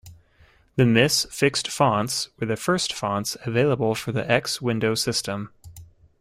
The misc-fixed fonts were the first fonts available for the X Window System.